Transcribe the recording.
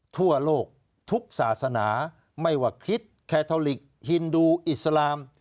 ทั่วโลกทุกศาสนาไม่ว่าคริสต์แคทอลิกฮินดูอิสลาม